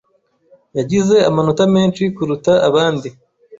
yagize amanota menshi kuruta abandi